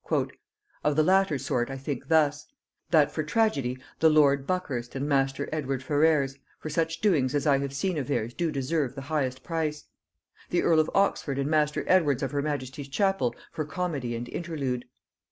"Of the latter sort I think thus: That for tragedy the lord Buckhurst and master Edward Ferrys (Ferrers), for such doings as I have seen of theirs do deserve the highest price. The earl of Oxford and master Edwards of her majesty's chapel for comedy and interlude.